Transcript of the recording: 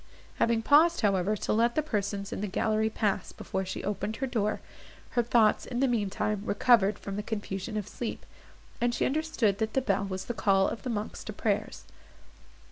Having paused, however, to let the persons in the gallery pass before she opened her door, her thoughts, in the mean time, recovered from the confusion of sleep, and she understood that the bell was the call of the monks to prayers.